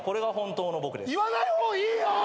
言わない方がいいよ！